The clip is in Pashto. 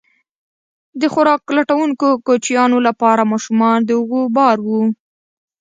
د خوراک لټونکو کوچیانو لپاره ماشومان د اوږو بار وو.